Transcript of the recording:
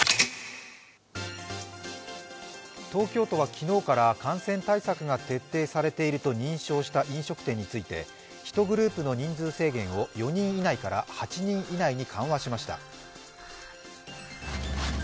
東京都は昨日から感染対策が徹底されていると認証された飲食店について１グループの人数制限を４人以内から８人以内に緩和しました。